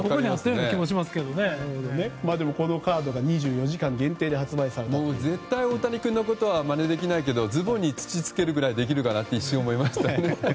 このカードが２４時間限定で絶対、大谷君のことはまねできないけどズボンに土つけるくらいはできると一瞬思いましたね。